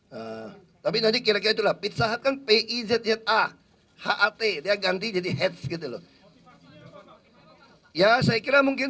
hai room jadi kirain rice cannon pijat jethro hat dia ganti jadi heads beloved ya saya kira mungkin